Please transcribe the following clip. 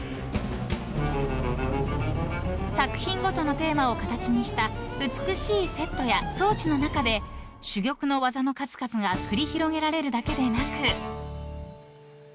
［作品ごとのテーマを形にした美しいセットや装置の中で珠玉の技の数々が繰り広げられるだけでなく］